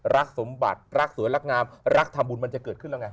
รักสมบัติรักสวยรักงามรักทำบุญมันจะเกิดขึ้นแล้วไง